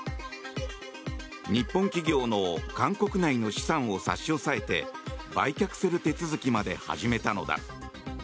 日本企業の韓国内の資産を差し押さえて売却する手続きまで始めたのだ。